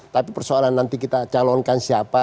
tapi persoalan nanti kita calonkan siapa